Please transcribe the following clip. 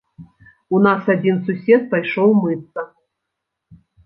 У нас адзін сусед пайшоў мыцца.